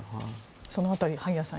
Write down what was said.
その辺り、萩谷さん